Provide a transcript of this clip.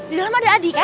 di dalam ada adi kan